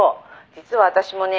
実は私もね」